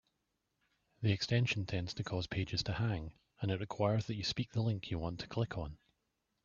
The extension tends to cause pages to hang, and it requires that you speak the link you want to click on.